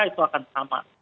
itu akan sama